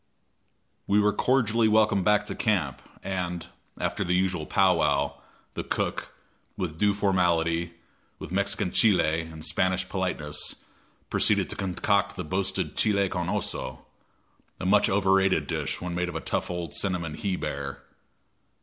We were cordially welcomed back to camp, and, after the usual pow wow, the cook, with due formality, with Mexican chile and Spanish politeness, proceeded to concoct the boasted chile con oso a much overrated dish when made of a tough old cinnamon he bear.